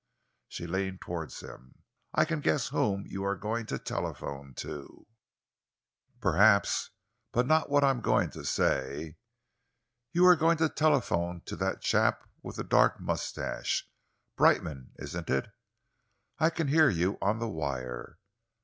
She leaned towards him. "I can guess whom you are going to telephone to." "Perhaps but not what I am going to say." "You are going to telephone to that chap with the dark moustache Brightman, isn't it? I can hear you on the wire.